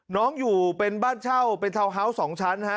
น้องอยู่เป็นบ้านเช่าเป็นทาวน์ฮาวส์๒ชั้น